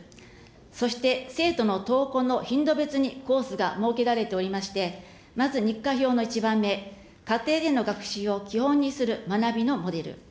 そして、生徒の登校の頻度別にコースが設けられておりまして、まず日課表の１番目、家庭での学習を基本にする学びのモデル。